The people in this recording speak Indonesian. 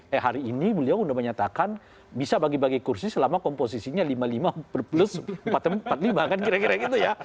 eh hari ini beliau sudah menyatakan bisa bagi bagi kursi selama komposisinya lima puluh lima plus empat puluh lima kan kira kira gitu ya